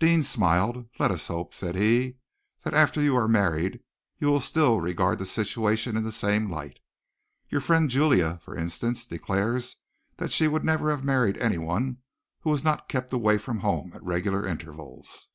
Deane smiled. "Let us hope," said he, "that after you are married you will still regard the situation in the same light. Your friend Julia, for instance, declares that she would never have married anyone who was not kept away from home at regular intervals."